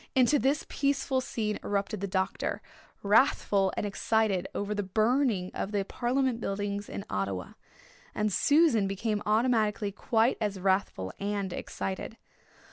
Into this peaceful scene erupted the doctor, wrathful and excited over the burning of the Parliament Buildings in Ottawa. And Susan became automatically quite as wrathful and excited.